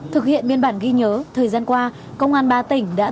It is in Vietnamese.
thực hiện biên bản ghi nhớ thời gian qua công an ba tỉnh đã thường xuyên đoán